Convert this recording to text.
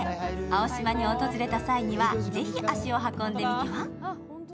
青島に訪れた際には、ぜひ、足を運んでみては？